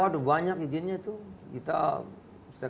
waduh banyak izinnya tuh